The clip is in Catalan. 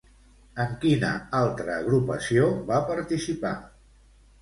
En quina altra agrupació va participar?